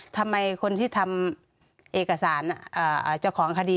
ทำไมคนที่ทำเอกสารเจ้าของคดี